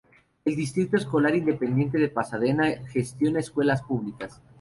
El Distrito Escolar Independiente de Pasadena gestiona escuelas públicas.